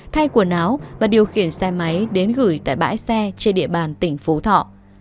thay quần áo và điều khiển xe máy đến gửi tại bãi xe trên địa bàn tỉnh phú thọ